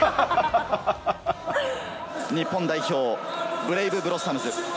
日本代表、ブレイブブロッサムズ。